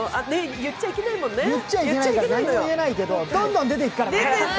言っちゃいけないけどどんどん出ていくからね。